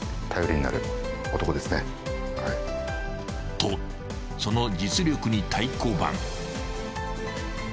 ［とその実力に太鼓判］